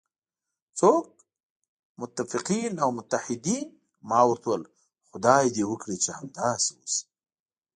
څوک؟ متفقین او متحدین، ما ورته وویل: خدای دې وکړي چې همداسې وشي.